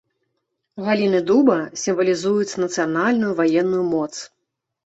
Галіны дуба сімвалізуюць нацыянальную ваенную моц.